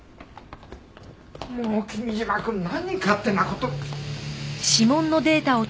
もう君嶋くん何勝手な事。